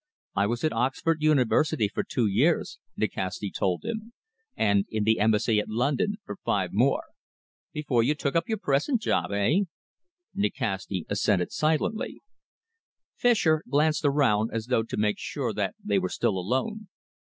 "I was at Oxford University for two years," Nikasti told him, "and in the Embassy at London for five more." "Before you took up your present job, eh?" Nikasti assented silently. Fischer glanced around as though to make sure that they were still alone.